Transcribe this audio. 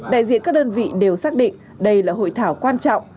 đại diện các đơn vị đều xác định đây là hội thảo quan trọng